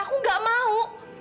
aku gak mau